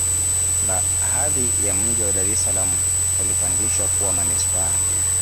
hadhi ya mji wa dar es salaam ulipandishwa kuwa manispaa